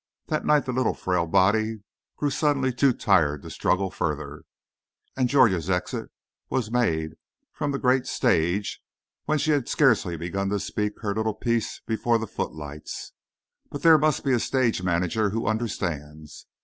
That night the little frail body grew suddenly too tired to struggle further, and Georgia's exit was made from the great stage when she had scarcely begun to speak her little piece before the footlights. But there must be a stage manager who understands.